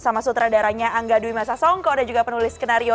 pasti utamanya banyak yang bertanya